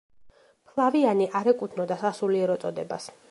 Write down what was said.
ფლავიანე არ ეკუთვნოდა სასულიერო წოდებას.